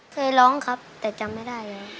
เคยร้องครับแต่จำไม่ได้เลย